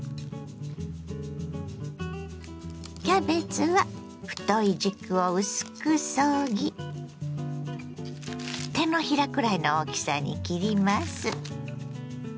キャベツは太い軸を薄くそぎ手のひらくらいの大きさに切ります。